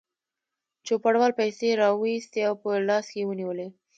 چوپړوال پیسې راوایستې او په لاس کې یې ونیولې.